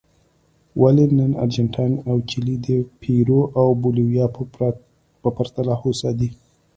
ولې نن ارجنټاین او چیلي د پیرو او بولیویا په پرتله هوسا دي.